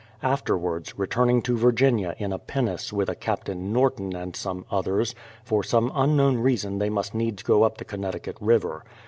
Afterwards, returning to Virginia in a pinnace with a Captain Norton and some others, for some unknown reason they must needs go up the Connecticut River.